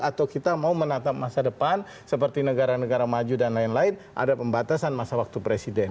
atau kita mau menatap masa depan seperti negara negara maju dan lain lain ada pembatasan masa waktu presiden